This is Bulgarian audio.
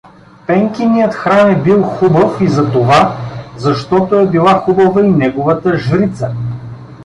Пенкиният храм е бил хубав и затова, защото е била хубава и неговата жрица.